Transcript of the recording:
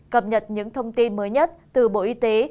cập nhật những thông tin mới nhất từ bộ y tế